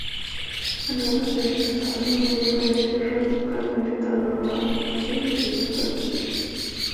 Algunas de esas escuelas medievales, ya radicalmente transformadas, han sobrevivido hasta nuestros días.